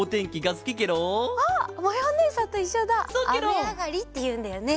あめあがりっていうんだよね。